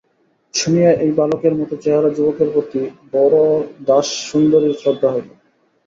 শুনিয়া এই বালকের মতো চেহারা যুবকের প্রতি বরদাসুন্দরীর শ্রদ্ধা হইল।